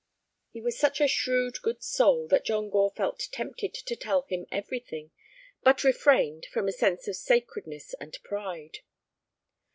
He was such a shrewd good soul that John Gore felt tempted to tell him everything, but refrained, from a sense of sacredness and pride.